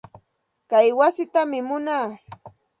Kay wasitam munaa.